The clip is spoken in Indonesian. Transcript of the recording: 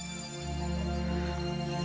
cuma rembulan di wajahmu